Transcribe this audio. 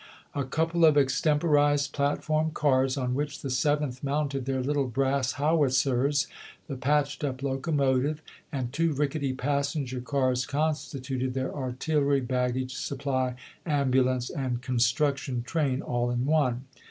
A couple of extemporized platform cars on which the Seventh mounted their little brass how itzers, the patched up locomotive, and two rickety passenger cars constituted their artillery, baggage, supply, ambulance, and construction train all in one.